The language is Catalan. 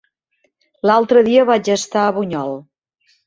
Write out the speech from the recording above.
L'altre dia vaig estar a Bunyol.